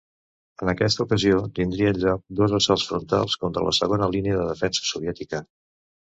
En aquesta ocasió tindrien lloc dos assalts frontals contra la segona línia de defensa soviètica.